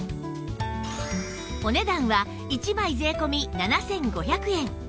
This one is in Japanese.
お値段は１枚税込７５００円